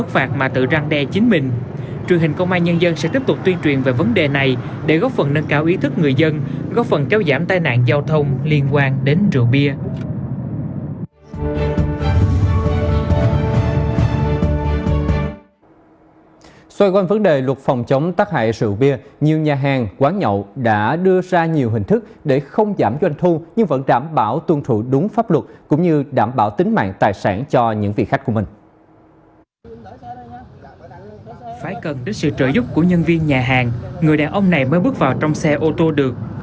phải cần đến sự trợ giúp của nhân viên nhà hàng người đàn ông này mới bước vào trong xe ô tô được